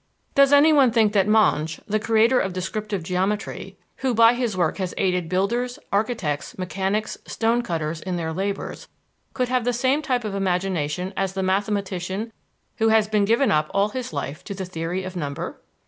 Does anyone think that Monge, the creator of descriptive geometry, who by his work has aided builders, architects, mechanics, stone cutters in their labors, could have the same type of imagination as the mathematician who has been given up all his life to the theory of number?